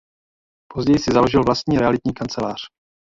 Později si založil vlastní realitní kancelář.